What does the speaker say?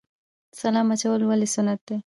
سلام اچول ولې سنت دي؟